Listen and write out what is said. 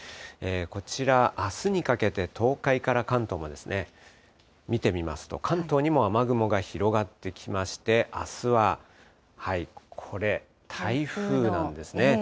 こちら、あすにかけて東海から関東も見てみますと、関東にも雨雲が広がってきまして、あすはこれ、台風なんですね。